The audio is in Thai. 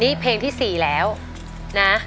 นี่เพลงที่๔แล้วนะ